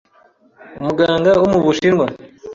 Umuganga wo mu Bushinwa